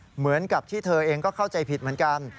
เหมือนกับที่เธอเองก็เข้าใจผิดเหมือนกัน